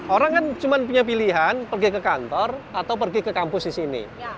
orang kan cuma punya pilihan pergi ke kantor atau pergi ke kampus di sini